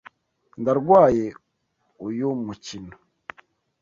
Ndarwaye uyu mukino.